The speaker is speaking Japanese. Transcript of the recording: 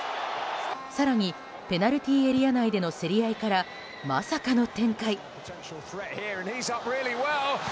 更にペナルティーエリア内での競り合いからまさかの展開。